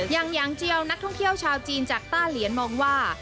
อย่างเจียวนักท่องเที่ยวชาวจีนจากต้าเหลียนมองว่า